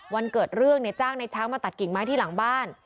วันเกิดเรื่องเนี่ยจ้างในช้างมาตัดกิ่งไม้ที่หลังบ้าน